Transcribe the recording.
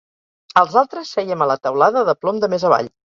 Els altres sèiem a la teulada de plom de més avall